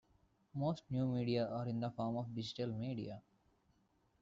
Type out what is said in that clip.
Most new media are in the form of digital media.